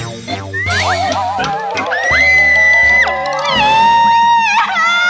โอ้โอ้โอ้